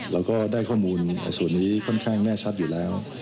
เราก็ได้ข้อมูลส่วนนี้ค่อนข้างแน่ชัดอยู่แล้ว